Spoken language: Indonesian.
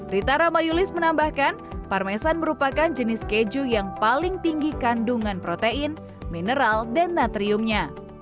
rita ramayulis menambahkan parmesan merupakan jenis keju yang paling tinggi kandungan protein mineral dan natriumnya